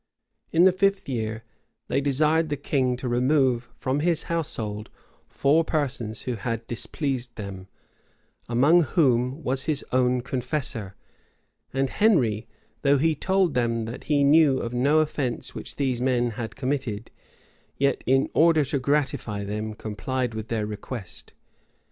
[] In the fifth year, they desired the king to remove from his household four persons who had displeased them, among whom was his own confessor, and Henry, though he told them that he knew of no offence which these men had committed, yet, in order to gratify them, complied with their request.